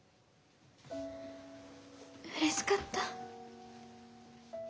うれしかった。